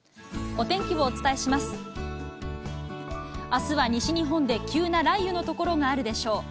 あすは西日本で急な雷雨の所があるでしょう。